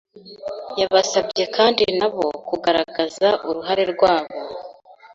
Yabasabye kandi na bo kugaragaza uruhare rwabo,